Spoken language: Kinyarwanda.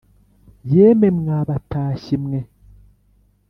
“yemwe mwa batashyi mwe